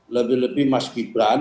lebih lebih mas gibran